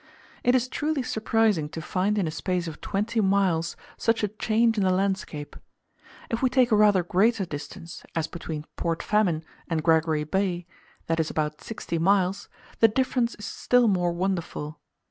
It is truly surprising to find in a space of twenty miles such a change in the landscape. If we take a rather greater distance, as between Port Famine and Gregory Bay, that is about sixty miles, the difference is still more wonderful.